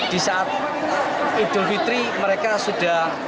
di saat idul fitri mereka sudah